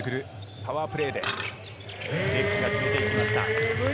パワープレーでデックが決めていきました。